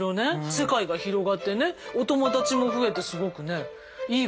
世界が広がってねお友達も増えてすごくねいいわねと思ったわ。